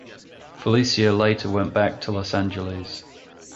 Felicia later went back to Los Angeles.